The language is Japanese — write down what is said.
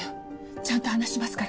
ちゃんと話しますから。